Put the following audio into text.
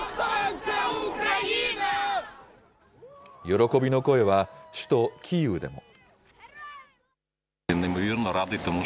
喜びの声は首都キーウでも。